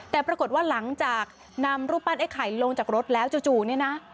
แต่ปรากฏว่าหลังจากนำรูปปั้นไอ้ไข่ลงจากรถแล้วจู่เนี่ยนะ